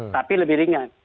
tapi lebih ringan